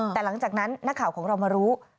แต่หลังจากนั้นนักข่าวของเรามารู้